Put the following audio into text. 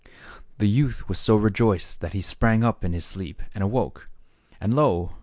The youth was so rejoiced that he sprang up in his sleep and awoke. And — lo !